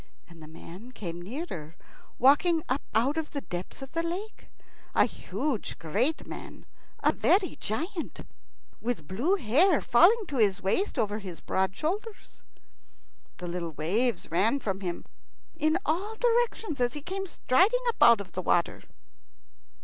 And the man came nearer, walking up out of the depths of the lake a huge, great man, a very giant, with blue hair falling to his waist over his broad shoulders. The little waves ran from him in all directions as he came striding up out of the water.